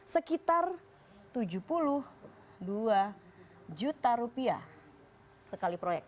sekitar tujuh puluh dua juta rupiah sekali proyek